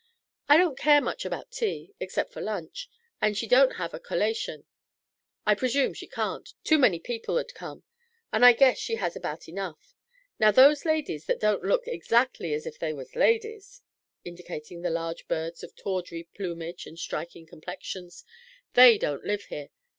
I don't care much about tea excep' for lunch, and she don't have a collation I presume she can't; too many people'd come, and I guess she has about enough. Now, those ladies that don't look exactly as if they was ladies," indicating the large birds of tawdry plumage and striking complexions, "they don't live here.